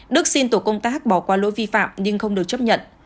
đức xin tổ công tác bỏ qua lỗi nhưng không được chấp nhận